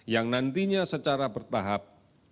yang nantinya secara bertahap